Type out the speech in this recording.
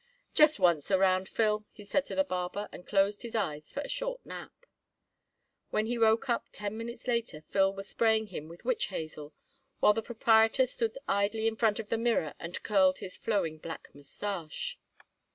"Just once around, Phil," he said to the barber, and closed his eyes for a short nap. When he woke up ten minutes later Phil was spraying him with witch hazel while the proprietor stood idly in front of the mirror and curled his flowing black mustache.